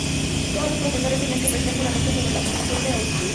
Todos los profesores tenían que prestar juramento sobre la Confesión de Augsburgo.